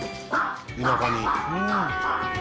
田舎に。